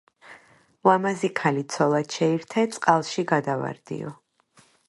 ლამაზი ქალი ცოლად შეირთე - წყალში გადავარდიო.